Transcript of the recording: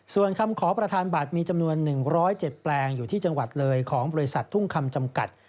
ส่วนคำขอประธานบัตรมีจำนวน๑๐๗แปลงอยู่ที่จังหวัดเลยของบริษัททุ่งคำจำกัด